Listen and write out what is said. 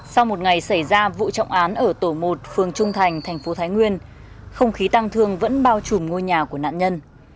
sau một ngày xảy ra vụ trọng án ở tổ một phường trung thành thành phố thái nguyên không khí tăng thương vẫn bao trùm ngôi nhà của nạn nhân